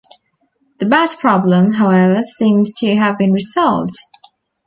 The "bat problem" however seems to have been resolved.